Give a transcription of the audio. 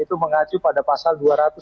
itu mengacu pada pasal dua ratus dua puluh tujuh